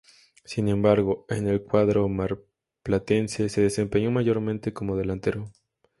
Sin embargo, en el cuadro marplatense se desempeñó mayormente como delantero.